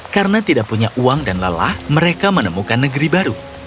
karena tidak punya uang dan lelah mereka menemukan negeri baru